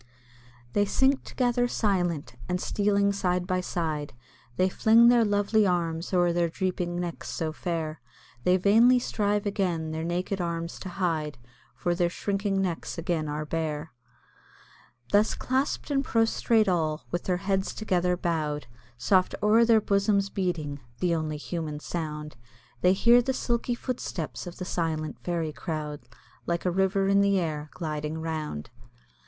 They sink together silent, and stealing side by side, They fling their lovely arms o'er their drooping necks so fair, Then vainly strive again their naked arms to hide, For their shrinking necks again are bare. Thus clasp'd and prostrate all, with their heads together bow'd, Soft o'er their bosom's beating the only human sound They hear the silky footsteps of the silent fairy crowd, Like a river in the air, gliding round.